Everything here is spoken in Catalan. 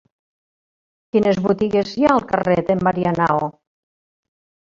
Quines botigues hi ha al carrer de Marianao?